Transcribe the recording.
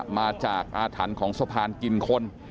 มาจากอาถรรพ์ของสะพานกินคน